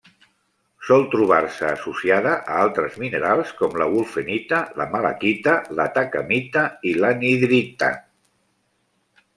Sol trobar-se associada a altres minerals com la wulfenita, la malaquita, l'atacamita i l'anhidrita.